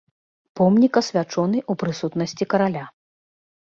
Помнік асвячоны ў прысутнасці караля.